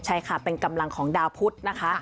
ใช่ค่ะเป็นกำลังของดาวพุทธนะคะ